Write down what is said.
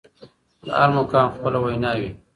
د هر مقام خپله وينا وي.